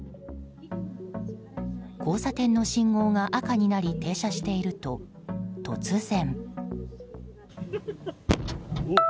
交差点の信号が赤になり停車していると突然。